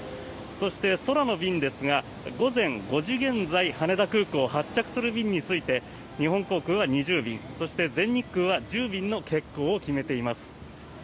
そして、空の便ですが午前５時現在羽田空港を発着する便について日本航空は２０便そして全日空は１０便の欠航を決めています。